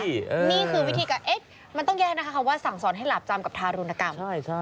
นี่คือวิธีการเอ๊ะมันต้องแยกนะคะคำว่าสั่งสอนให้หลาบจำกับทารุณกรรม